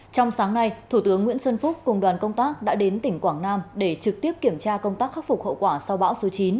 trong sáng nay thủ tướng nguyễn xuân phúc cùng đoàn công tác đã đến tỉnh quảng nam để trực tiếp kiểm tra công tác khắc phục hậu quả sau bão số chín